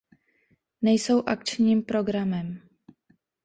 Nejsou akčním programem.